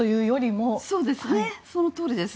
そのとおりです。